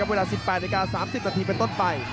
เวลา๑๘นาที๓๐นาทีเป็นต้นไป